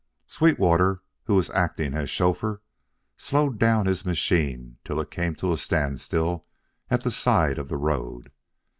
Sweetwater, who was acting as chauffeur, slowed down his machine till it came to a standstill at the side of the road.